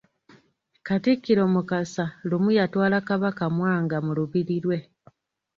Katikkiro Mukasa lumu yatwala Kabaka Mwanga mu lubiri lwe.